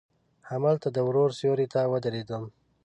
هملته د وره سیوري ته ودریدم.